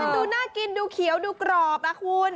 ดูน่ากินดูเขียวดูกรอบนะคุณ